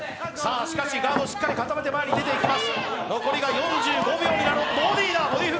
しかしガードをしっかり固めて前に出て行きます。